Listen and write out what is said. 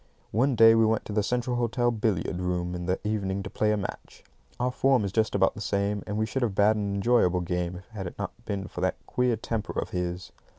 One day we went to the Central Hotel billiard room in the evening to play a match. Our form is just about the same, and we should have bad an enjoyable game if it had not been for that queer temper of his.